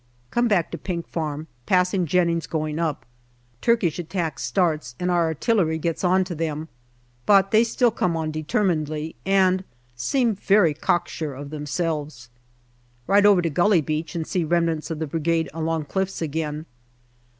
Come back to Pink Farm, passing Jennings going up. Turkish attack starts, and our artillery gets on to them, but they still come on determinedly, and seem very cocksure of themselves. Ride over to Gully Beach and see remnants of the Brigade along cliffs again.